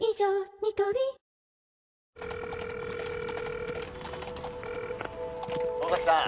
ニトリ☎野崎さん